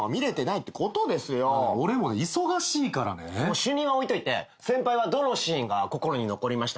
主任は置いといて先輩はどのシーンが心に残りました？